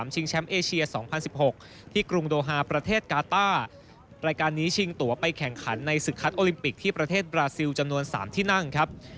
ชิงแชมป์เอเชีย๒๐๑๖ที่กรุงโดฮาประเทศกาต้ารายการนี้ชิงตัวไปแข่งขันในศึกคัดโอลิมปิกที่ประเทศบราซิลจำนวน๓ที่นั่งครับ